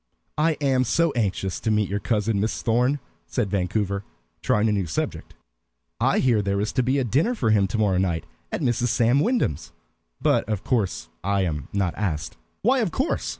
"I am so anxious to meet your cousin, Miss Thorn," said Vancouver, trying a new subject. "I hear there is to be a dinner for him to morrow night at Mrs. Sam Wyndham's. But of course I am not asked." "Why 'of course'?"